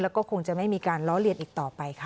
แล้วก็คงจะไม่มีการล้อเลียนอีกต่อไปค่ะ